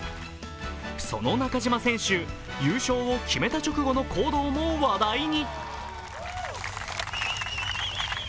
その中島選手、優勝を決めた直後の行動も話題に。